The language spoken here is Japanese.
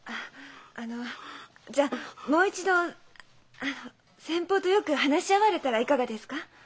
あのじゃあもう一度あの先方とよく話し合われたらいかがですか？